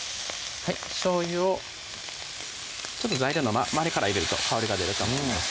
しょうゆをちょっと材料の周りから入れると香りが出ると思います